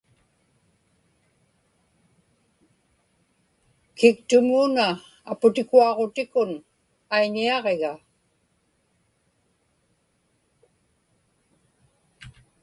kiktumuuna aputikuaġutikun aiñiaġiga